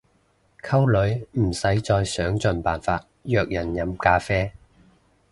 溝女唔使再想盡辦法約人飲咖啡